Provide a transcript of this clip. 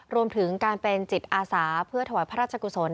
รวมถึงการเป็นจิตอาสาเพื่อถวายพระราชกุศล